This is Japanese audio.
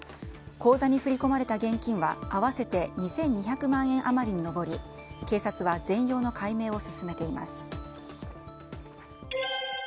口座に振り込まれた現金は合わせて２２００万円余りに上り警察は全容の解明を進めています。